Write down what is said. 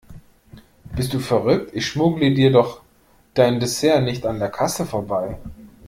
Bist du verrückt, ich schmuggle dir doch dein Dessert nicht an der Kasse vorbei.